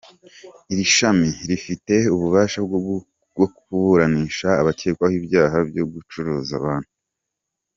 Iri shami rinafite ububasha bwo kuburanisha abakekwaho ibyaha byo gucuruza abantu.